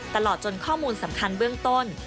ตลอดจนข้อมูลสำคัญเบื้องต้น